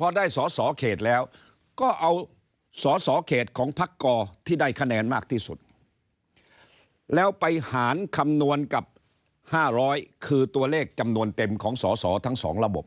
พอได้สอสอเขตแล้วก็เอาสอสอเขตของพักกอที่ได้คะแนนมากที่สุดแล้วไปหารคำนวณกับ๕๐๐คือตัวเลขจำนวนเต็มของสอสอทั้ง๒ระบบ